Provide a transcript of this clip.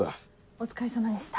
お疲れさまでした。